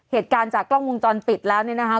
เหตุการณ์จากกล้องวงจรปิดแล้วเนี่ยนะคะ